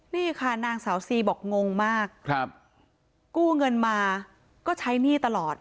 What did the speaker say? นี่ค่ะนางสาวซีบอกงงมากครับกู้เงินมาก็ใช้หนี้ตลอด